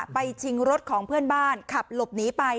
ชิงรถของเพื่อนบ้านขับหลบหนีไป